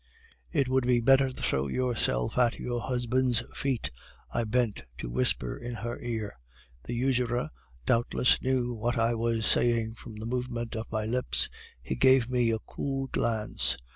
"'It would be better to throw yourself at your husband's feet,' I bent to whisper in her ear. "The usurer doubtless knew what I was saying from the movement of my lips. He gave me a cool glance.